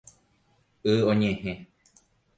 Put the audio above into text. Y oñehẽ